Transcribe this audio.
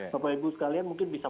bapak ibu sekalian mungkin bisa